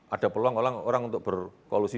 ada peluang orang orang untuk berkongsi